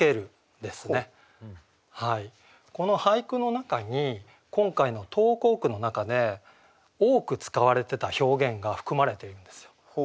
この俳句の中に今回の投稿句の中で多く使われてた表現が含まれているんですよ。